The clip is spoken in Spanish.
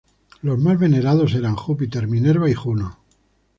Los más venerados eran Júpiter, Minerva y Juno.